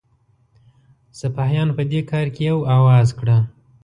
سپاهیان په دې کار کې یو آواز کړه.